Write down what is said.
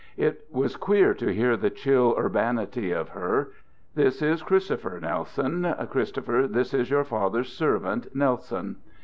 It was queer to hear the chill urbanity of her: "This is Christopher, Nelson; Christopher, this is your father's servant, Nelson."